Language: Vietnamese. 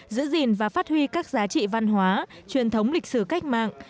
giữ gìn và phát huy các giá trị văn hóa truyền thống lịch sử cách mạng